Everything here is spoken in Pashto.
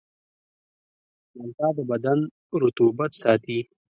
مالټه د بدن رطوبت ساتي.